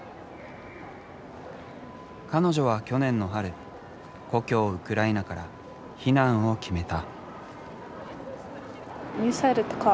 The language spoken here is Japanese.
彼女は去年の春故郷ウクライナから避難を決めた。